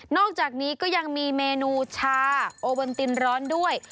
อกจากนี้ก็ยังมีเมนูชาโอเบนตินร้อนด้วย